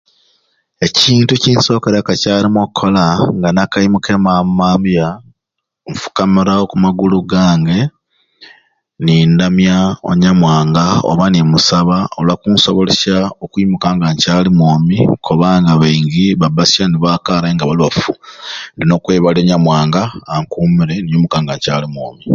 Ekintu kyensokeraku kakyarumwe okukola nga n'akeyimuka emambyamambya nfukamira okumagula gange nindamya onyamwanga oba nimusaba olwa kunsobolesya lwa kwimuka nga nkyali mwomi kubanga baingi babasya nebakarayo ndina okwebalya onyamwanga a ankumire ninyumuka nga nkyali mwomi